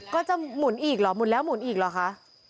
ก็จะหมุนอีกเหรอหมุนแล้วหมุนอีกหรอคะ